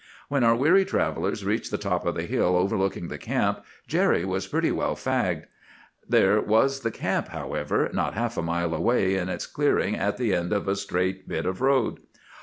"When our weary travellers reached the top of the hill overlooking the camp, Jerry was pretty well fagged. There was the camp, however, not half a mile away in its clearing at the end of a straight bit of road.